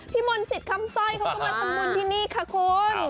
พี่มนศิษย์คัมสร้อยเค้าก็มาทำบุญที่นี่ค่ะคุณ